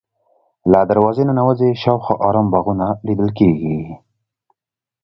له دروازې ننوځې شاوخوا ارام باغونه لیدل کېږي.